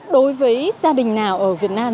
đối với gia đình nào ở việt nam